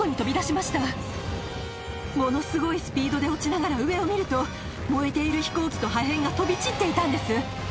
ものすごいスピードで落ちながら上を見ると燃えている飛行機と破片が飛び散っていたんです。